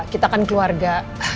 kita kan keluarga